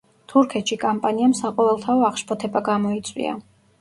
თურქეთში კამპანიამ საყოველთაო აღშფოთება გამოიწვია.